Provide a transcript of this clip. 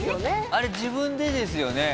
あれ自分でですよね？